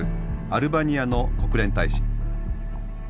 アルバニアの国連大使。